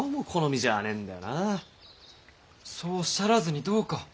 そうおっしゃらずにどうか。